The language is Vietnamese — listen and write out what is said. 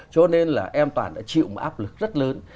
cho nên là em toàn đã chịu một áp lực rất lớn